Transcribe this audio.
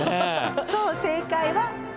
そう正解は。